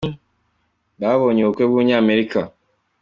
Babonye ubukwe w’Umunyamerika